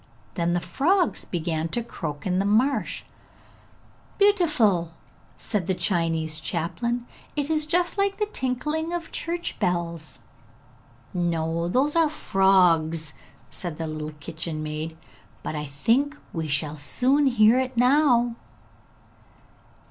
Then the frogs began to croak in the marsh. 'Beautiful!' said the Chinese chaplain, 'it is just like the tinkling of church bells.' 'No, those are the frogs!' said the little kitchen maid. 'But I think we shall soon hear it now!'